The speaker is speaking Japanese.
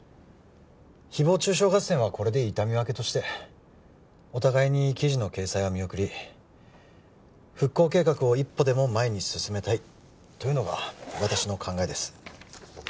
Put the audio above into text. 誹謗中傷合戦はこれで痛み分けとしてお互いに記事の掲載は見送り復興計画を一歩でも前に進めたいというのが私の考えです